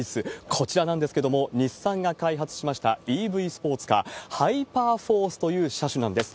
こちらなんですけれども、日産が開発しましたＥＶスポーツカー、ハイパーフォースという車種なんです。